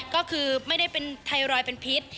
ก็คือไม่ได้เป็นไทรอยด์เป็นพิษ